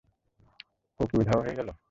ও কি উধাও হয়ে গেল?